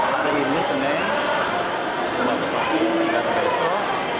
hari ini senin hari ini besok